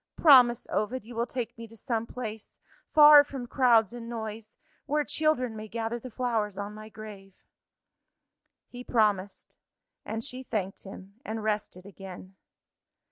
_ Promise, Ovid, you will take me to some place, far from crowds and noise where children may gather the flowers on my grave." He promised and she thanked him, and rested again.